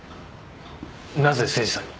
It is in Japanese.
なぜ誠司さんに？